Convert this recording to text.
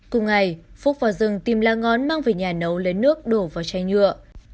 cùng ngày phúc vào rừng tìm lá ngón mang về nhà nấu lấy nước đổ vào chai nhựa